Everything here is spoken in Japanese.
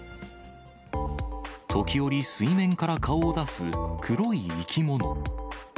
時折、水面から顔を出す、黒い生き物。